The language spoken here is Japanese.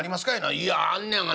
「いやあんねやがな。